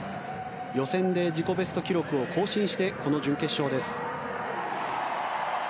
予選で自己ベスト記録を更新してこの準決勝です。